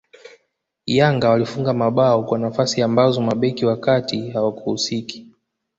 Yanga walifunga mabao kwa nafasi ambazo mabeki wa kati hawakuhusiki